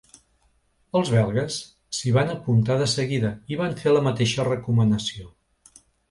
Els belgues s’hi van apuntar de seguida i van fer la mateixa recomanació.